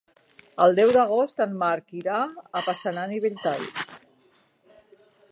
El deu d'agost en Marc irà a Passanant i Belltall.